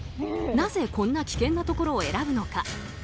なぜこんな危険なところを選ぶのか。